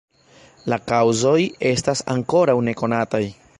La kaŭzoj estas ankoraŭ nekonataj.